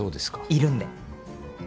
いるんで。